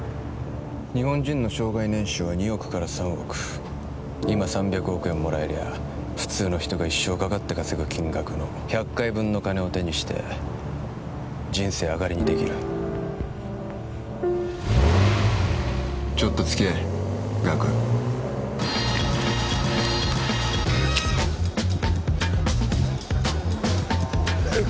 日本人の生涯年収は２億から３億今３００億円もらえりゃ普通の人が一生かかって稼ぐ金額の１００回分の金を手にして人生あがりにできるちょっと付き合えガクえっ